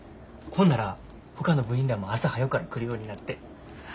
ほんならほかの部員らも朝はよから来るようになって。